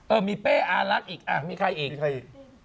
เออมีเป้อารักอีกอ่ะมีใครอีก